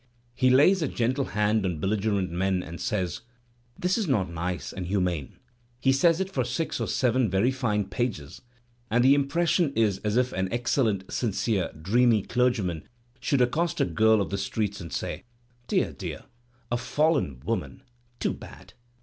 He lays a gentle hand on belligerent men, and says, "This is not nice and humane." He says it for six or seven very fine pages, and the impression is as if an excellent, sincere, dreamy clergy man should accost a girl of the streets and say: "Dear, dear, a fallen woman, too bad.